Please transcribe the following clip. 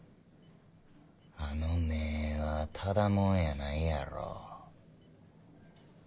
あの目ぇはただ者やないやろ。